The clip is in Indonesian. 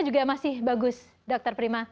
juga masih bagus dokter prima